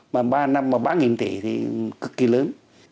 mà ba năm mà ba tỷ thì cực kỳ lớn